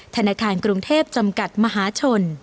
ธนาคารกรุงเทพจำกัดมหาชน